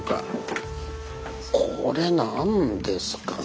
これ何ですかね？